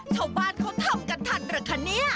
ชาวบ้านเขาทำกันทันเหรอคะเนี่ย